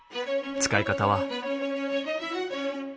使い方は。